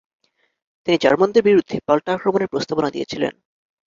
তিনি জার্মানদের বিরুদ্ধে পাল্টা আক্রমণের প্রস্তাবনা দিয়েছিলেন।